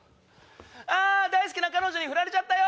あ大好きな彼女にフラれちゃったよ！